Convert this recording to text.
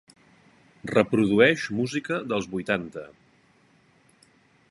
Reprodueix música dels vuitanta.